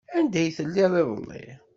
Anda ay telliḍ iḍelli?